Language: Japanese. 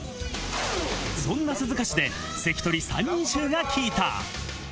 そんな鈴鹿市で関取３人衆が聞いた。